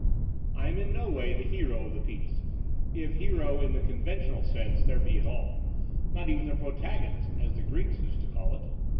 I am in no way the hero of the piece — if hero, in the conventional sense, there be at all — ^not even the protagonist, as the Greeks used to call it.